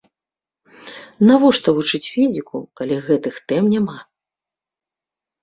Навошта вучыць фізіку, калі гэтых тэм няма?